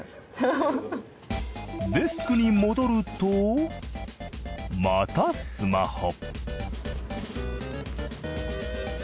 デスクに戻るとまたスマホ。